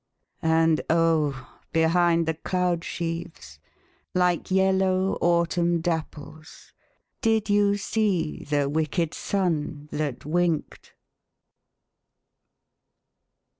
And oh, behind the cloud sheaves, like yellow autumn dapples, Did you see the wicked sun that winked?